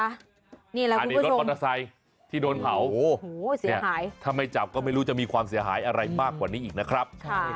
อันนี้รถกรรมทักทรายที่โดนเผาถ้าไม่จับก็ไม่รู้จะมีความเสียหายอะไรมากกว่านี้อีกนะครับ